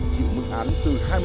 trị ưu mức án từ hai mươi bốn tháng